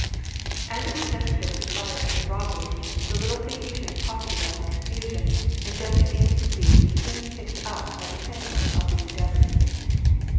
As it was necessary to fire at the robbers, the little Tahitan profited by the confusion, and jumping into the sea was soon picked up by the pinnace of the Endeavour.